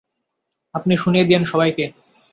আপনি শুনিয়ে দিয়েন সবাইকে!